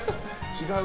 違う？